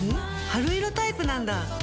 春色タイプなんだ。